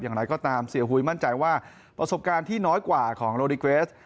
อย่างไรก็ตามเสียหุยมั่นใจว่าประสบการณ์ที่น้อยกว่าของโลดิเกรส